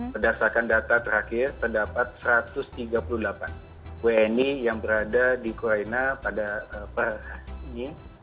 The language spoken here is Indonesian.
berdasarkan data terakhir terdapat satu ratus tiga puluh delapan wni yang berada di ukraina pada per hari ini